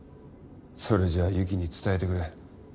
それじゃあ由岐に伝えてくれ。